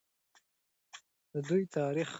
د دوی تاریخ لا هم ورک پاتې دی.